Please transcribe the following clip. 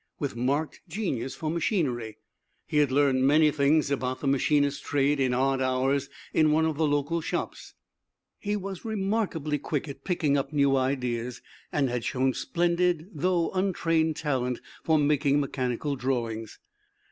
With marked genius for machinery, he had learned many things about the machinist's trade in odd hours in one of the local shops. He was remarkably quick at picking up new ideas, and had shown splendid, though untrained, talent for making mechanical drawings.